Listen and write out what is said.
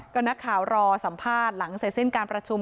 ก็นักข่าวรอสัมภาษณ์หลังเสร็จสิ้นการประชุม